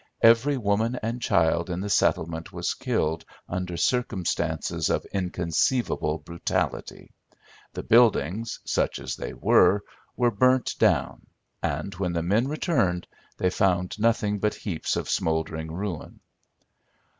Every woman and child in the settlement was killed under circumstances of inconceivable brutality. The buildings, such as they were, were burnt down, and, when the men returned, they found nothing but heaps of smouldering ruin.